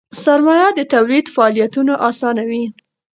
سرمایه د تولید فعالیتونه آسانوي.